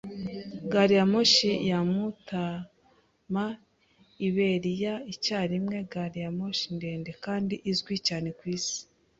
Gari ya moshi ya Matamaiberiya icyarimwe gari ya moshi ndende kandi izwi cyane kwisi